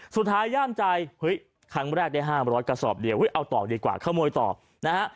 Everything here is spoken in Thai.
ย่ามใจเฮ้ยครั้งแรกได้๕๐๐กระสอบเดียวเอาต่อดีกว่าขโมยต่อนะฮะ